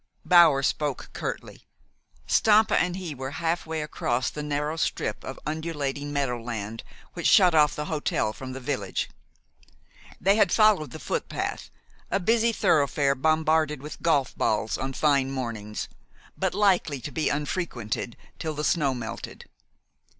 Bower spoke curtly. Stampa and he were halfway across the narrow strip of undulating meadow land which shut off the hotel from the village. They had followed the footpath, a busy thoroughfare bombarded with golf balls on fine mornings, but likely to be unfrequented till the snow melted.